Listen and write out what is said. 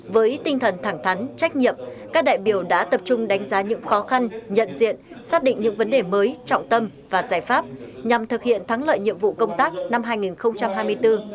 với tinh thần thẳng thắn trách nhiệm các đại biểu đã tập trung đánh giá những khó khăn nhận diện xác định những vấn đề mới trọng tâm và giải pháp nhằm thực hiện thắng lợi nhiệm vụ công tác năm hai nghìn hai mươi bốn